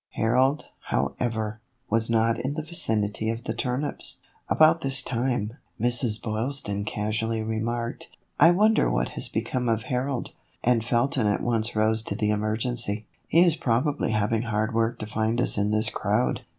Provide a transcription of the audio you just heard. Harold, however, was not in the vicinity of the turnips. About this time, Mrs. Boylston casually remarked, "I wonder what has become of Harold," and Felton at once rose to the emergency. " He is probably having hard work to find us in this crowd.